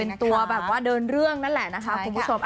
เป็นตัวแบบว่าเดินเรื่องนั่นแหละนะคะคุณผู้ชม